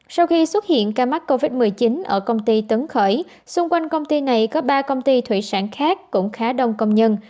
sau khi xuất hiện ca mắc covid một mươi chín ở công ty tấn khởi xung quanh công ty này có ba công ty thủy sản khác cũng khá đông công nhân